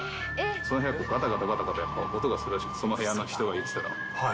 その部屋、がたがたがたがたやっぱり音がするらしくて、その部屋の人が言ってたのは。